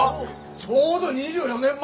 ちょうど２４年前。